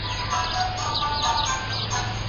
زه اوس مځکي ته ګورم!